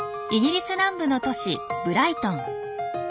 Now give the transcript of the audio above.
イギリス南部の都市ブライトン。